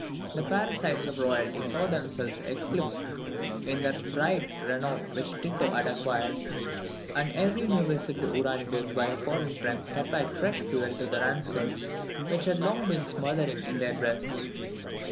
The parasites of royalty saw themselves eclipsed in the bright renown which Tycho had acquired, and every new visit to Uraniburg by a foreign prince supplied fresh fuel to the rancour which had long been smothering in their breasts.